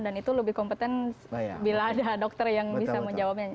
dan itu lebih kompeten bila ada dokter yang bisa menjawabnya